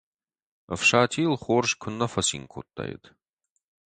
Ӕфсати йыл хорз куыннӕ фӕцин кодтаид!